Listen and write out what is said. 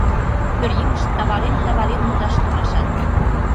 Пӧръеҥышт тавален-тавален модаш толашат.